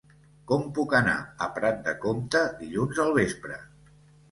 Com puc anar a Prat de Comte dilluns al vespre?